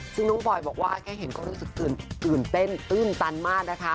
ซึ่งน้องบอยบอกว่าแค่เห็นก็รู้สึกตื่นเต้นตื้นตันมากนะคะ